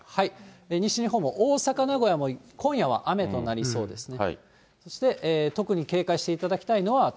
西日本も大阪、名古屋も今夜は雨となりそうですね。